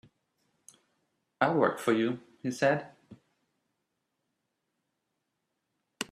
"I'll work for you," he said.